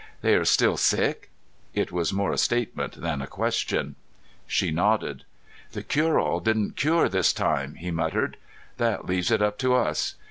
"They are still sick?" It was more a statement than a question. She nodded. "The Cureall didn't cure this time," he muttered. "That leaves it up to us.